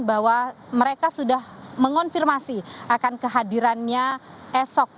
bahwa mereka sudah mengonfirmasi akan kehadirannya esok